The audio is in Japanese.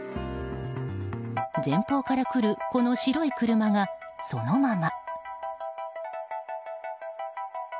前方から来るこの白い車がそのまま。